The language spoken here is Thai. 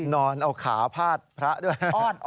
นอนเอาขาพาดพระด้วย